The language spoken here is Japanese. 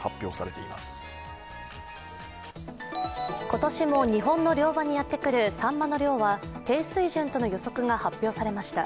今年も日本の漁場にやってくるさんまの量は低水準との予測が発表されました。